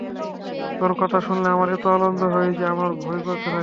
তোর কথা শুনলে আমার এত আনন্দ হয় যে আমার ভয় করতে থাকে।